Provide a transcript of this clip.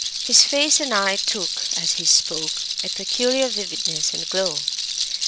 His face and eye took, as he spoke, a peculiar vividness and glow.